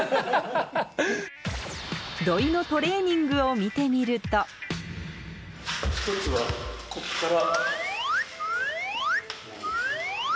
土井のトレーニングを見てみると一つはこっから。